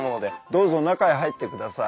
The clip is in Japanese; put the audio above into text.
どうぞ中へ入ってください。